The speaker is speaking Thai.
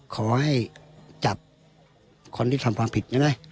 ขอให้จับคนที่ทำความผิดนะ